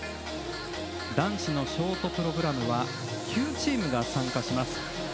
男子のショートプログラムは９チームが参加します。